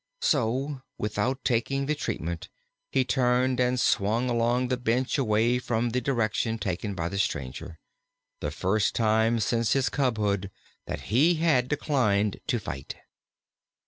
So, without taking the treatment, he turned and swung along the bench away from the direction taken by the stranger the first time since his cubhood that he had declined to fight.